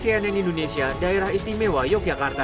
tim liputan cnn indonesia daerah istimewa yogyakarta